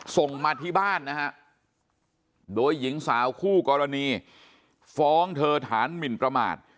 ส่งมาที่บ้านนะฮะโดยหญิงสาวคู่กรณีฟ้องเธอฐานหมินประมาท